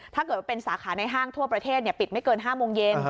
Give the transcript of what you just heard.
ถ้าเกิดว่าเป็นสาขาในห้างทั่วประเทศปิดไม่เกิน๕โมงเย็น